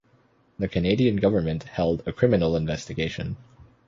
The Canadian Government held a criminal investigation.